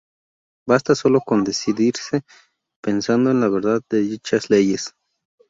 Basta sólo con decidirse, pensando en la verdad de dichas leyes.